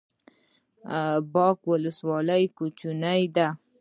باک ولسوالۍ کوچنۍ ده؟